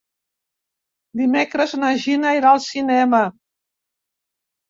Dimecres na Gina irà al cinema.